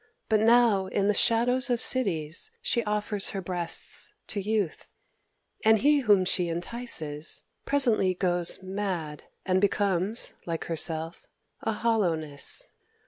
But now in the shadows of cities she offers her breasts to youth; and he whom she entices, presently goes mad, and becomes, like herself, a hollowness.